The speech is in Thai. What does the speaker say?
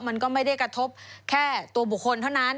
มันก็ไม่ได้กระทบแค่ตัวบุคคลเท่านั้น